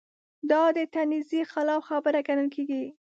دا د تنزیې خلاف خبره ګڼل کېږي.